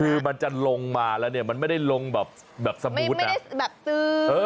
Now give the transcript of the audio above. คือมันจะลงมาแล้วเนี้ยมันไม่ได้ลงแบบแบบสมูทนะไม่ได้แบบตึ๊ง